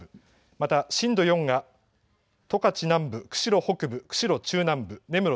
また震度４が十勝南部釧路北部釧路中南部。